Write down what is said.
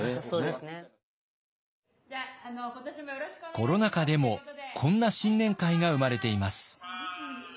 コロナ禍でもこんな新年会が生まれています。